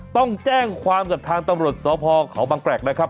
ต้องแจ้งความกับทางตำรวจสพเขาบางแกรกนะครับ